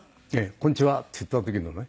「こんにちは」って言った時のね。